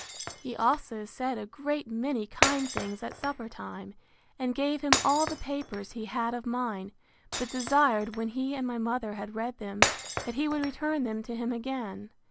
He also said a great many kind things at supper time, and gave him all the papers he had of mine; but desired, when he and my mother had read them, that he would return them to him again.